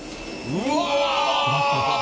うわ！